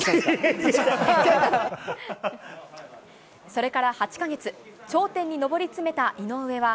それから８か月、頂点にのぼり詰めた井上は、